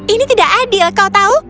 ini tidak adil kau tahu